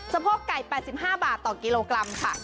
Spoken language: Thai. โพกไก่๘๕บาทต่อกิโลกรัมค่ะ